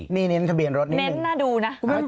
นิ้นทะเบียนรถนี้นึง